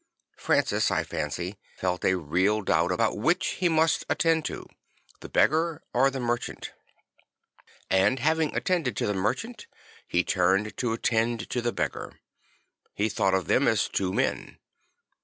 Francis, I fancy, felt a real doubt about which he must attend to, the beggar or the merchant; and having attended to the merchant, he turned to attend to the beggar; he thought of them as two men.